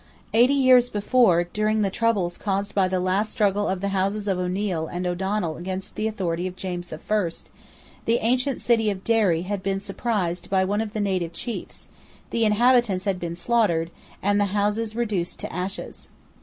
Eighty years before, during the troubles caused by the last struggle of the houses of O'Neil and O'Donnel against the authority of James the First, the ancient city of Derry had been surprised by one of the native chiefs: the inhabitants had been slaughtered, and the houses reduced to ashes.